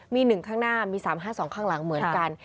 มี๑ข้างหน้ามี๓๕๒ข้างหลังเหมือนกัน